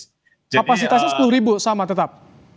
kapasitasnya sepuluh ribu sama tetap